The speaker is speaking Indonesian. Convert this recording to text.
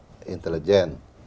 ada yang lebih intelijen